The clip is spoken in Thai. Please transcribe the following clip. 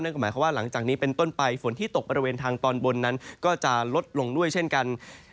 ก็หมายความว่าหลังจากนี้เป็นต้นไปฝนที่ตกบริเวณทางตอนบนนั้นก็จะลดลงด้วยเช่นกัน